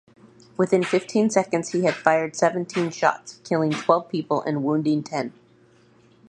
Within fifteen seconds, he had fired seventeen shots, killing twelve people and wounding ten.